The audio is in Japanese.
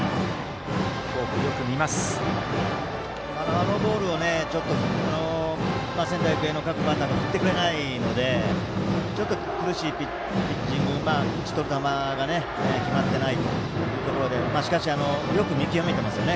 あのボールを仙台育英の各バッターが振ってくれないのでちょっと苦しいピッチング打ち取る球が決まっていないというところでしかし、よく見極めてますよね